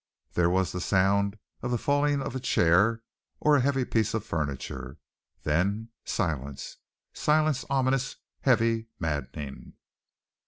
There was the sound of the falling of a chair or heavy piece of furniture. Then silence! silence ominous, heavy, maddening!...